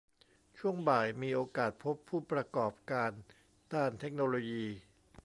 ช่วงบ่ายมีโอกาสพบผู้ประกอบการด้านเทคโนโลยี